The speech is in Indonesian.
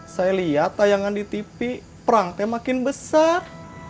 saya lihat tayangan di tv perangnya makin besar